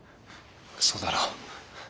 そうだろう。